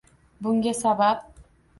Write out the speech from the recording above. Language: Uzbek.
Bunga sabab